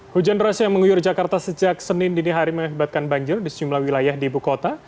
hujan deras yang mengguyur jakarta sejak senin dini hari mengakibatkan banjir di sejumlah wilayah di ibu kota